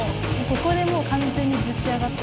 「ここでもう完全にぶち上がってます」